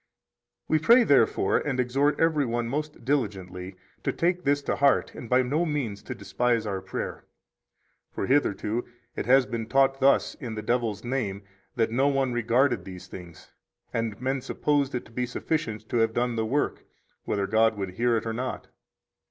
14 We pray, therefore, and exhort every one most diligently to take this to heart and by no means to despise our prayer. For hitherto it has been taught thus in the devil's name that no one regarded these things, and men supposed it to be sufficient to have done the work, whether God would hear it or not.